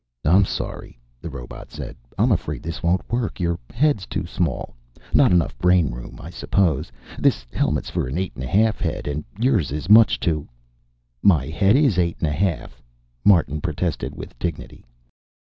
"I'm sorry," the robot said. "I'm afraid this won't work. Your head's too small. Not enough brain room, I suppose. This helmet's for an eight and a half head, and yours is much too " "My head is eight and a half," Martin protested with dignity.